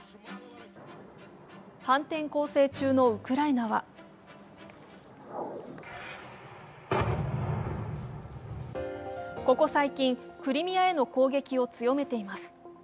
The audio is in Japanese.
反転攻勢中のウクライナはここ最近、クリミアへの攻撃を強めています。